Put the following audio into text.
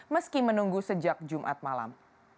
meski menunggu sejak jumat malam